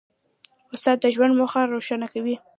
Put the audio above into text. استاد د ژوند موخه روښانه کوي.